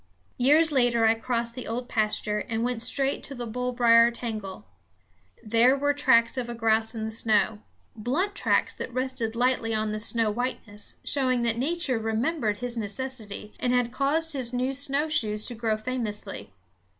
Years later I crossed the old pasture and went straight to the bullbrier tangle. There were tracks of a grouse in the snow, blunt tracks that rested lightly on the soft whiteness, showing that Nature remembered his necessity and had caused his new snowshoes to grow famously.